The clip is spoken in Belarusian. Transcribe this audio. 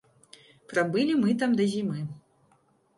Прабылі мы там да зімы.